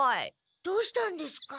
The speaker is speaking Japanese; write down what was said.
どうしたんですか？